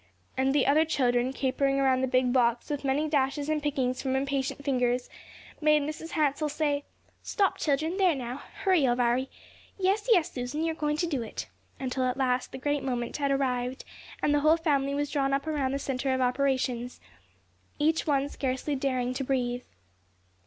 And the other children, capering around the big box, with many dashes and pickings from impatient fingers, made Mrs. Hansell say, "Stop, children; there now, hurry, Elviry. Yes, yes, Susan, you're going to do it," until at last the great moment had arrived, and the whole family was drawn up around the centre of operations, each one scarcely daring to breathe.